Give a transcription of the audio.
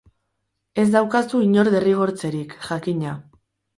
Ez daukazu inor derrigortzerik, jakina.